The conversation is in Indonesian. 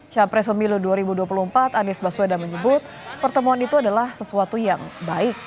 capres pemilu dua ribu dua puluh empat anies baswedan menyebut pertemuan itu adalah sesuatu yang baik